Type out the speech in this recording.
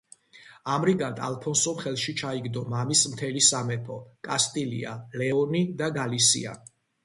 ამრიგად ალფონსომ ხელში ჩაიგდო მამის მთელი სამეფო: კასტილია, ლეონი და გალისია.